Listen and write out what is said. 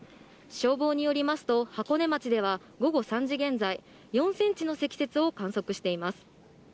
消防によりますと、箱根町では午後３時現在、４センチの積雪を観測しています。